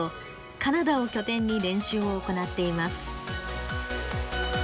カナダを拠点に練習を行っています。